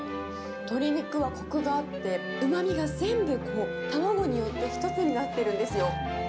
鶏肉はこくがあって、うまみが全部こう、卵によって一つになってるんですよ。